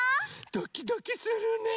ドキドキするね。